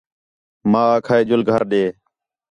ماں آکھا ہِے ڄُل گھر ݙے